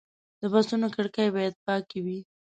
د بسونو کړکۍ باید پاکې وي.